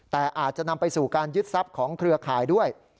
แต่อาจจะนำไปสู่การยึดทรัพย์ของเครือข่ายด้วย